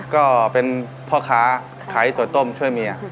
ก็เป็นพ่อค้าขายสวยต้มช่วยเมีย